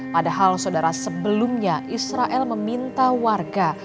padahal saudara sebelumnya israel meminta warga